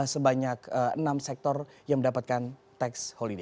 sebanyak enam sektor yang mendapatkan tax holiday